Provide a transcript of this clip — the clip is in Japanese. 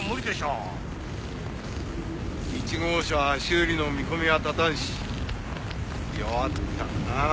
１号車は修理の見込みは立たんし弱ったなあ